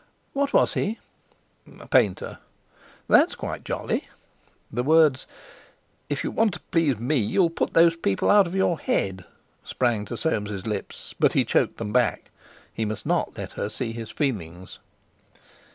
"What was he?" "A painter." "That's quite jolly." The words: "If you want to please me you'll put those people out of your head," sprang to Soames' lips, but he choked them back—he must not let her see his feelings.